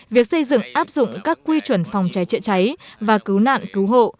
việc xây dựng áp dụng các quy chuẩn phòng cháy chữa cháy và cứu nạn cứu hộ